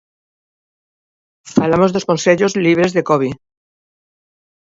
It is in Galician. Falamos dos concellos libres de covid.